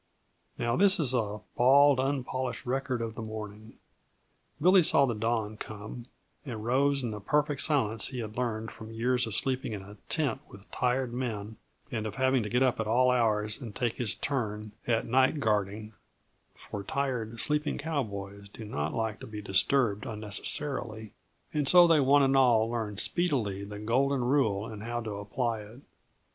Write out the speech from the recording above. Now this is a bald, unpolished record of the morning: Billy saw the dawn come, and rose in the perfect silence he had learned from years of sleeping in a tent with tired men, and of having to get up at all hours and take his turn at night guarding; for tired, sleeping cowboys do not like to be disturbed unnecessarily, and so they one and all learn speedily the Golden Rule and how to apply it.